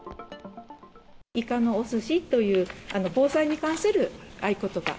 いかのおすしという、防災に関する合言葉。